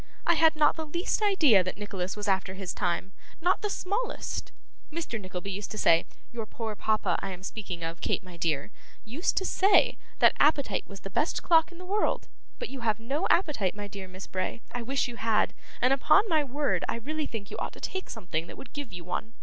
I had not the least idea that Nicholas was after his time, not the smallest. Mr. Nickleby used to say your poor papa, I am speaking of, Kate my dear used to say, that appetite was the best clock in the world, but you have no appetite, my dear Miss Bray, I wish you had, and upon my word I really think you ought to take something that would give you one.